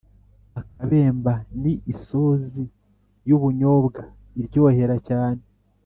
Akabemba ni isozi yubunyobwa iryohera cyane